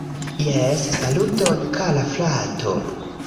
Jes, saluton kara frato